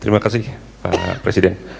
terima kasih pak presiden